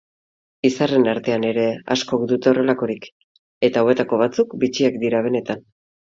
Izarren artean ere askok dute horrelakorik, eta hauetako batzuk bitxiak dira benetan.